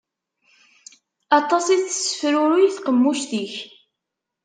Aṭas i tessefruruy tqemmuct-ik.